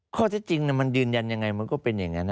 ข้อเท็จจริงมันยืนยันยังไงมันก็เป็นอย่างนั้น